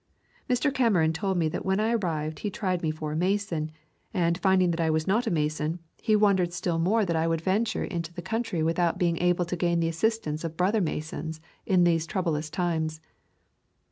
Mr. Cameron told me that when I arrived he tried me for a Mason, and finding that I was not a Mason he wondered still more that I [ 62 ] River Country of Georgia would venture into the country without being able to gain the assistance of brother Masons in these troublous times.